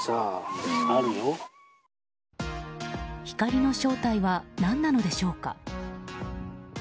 光の正体は何なのでしょうか。